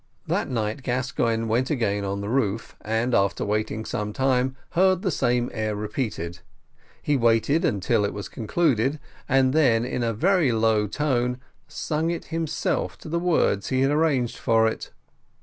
That night Gascoigne went again on the roof, and after waiting some time, heard the same air repeated: he waited until it was concluded, and then, in a very low tone, sang it himself to the words he had arranged for it.